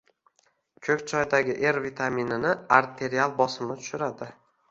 Ko‘k choydagi R vitamini arterial bosimni tushiradi.